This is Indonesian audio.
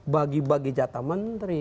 bagi bagi jatah menteri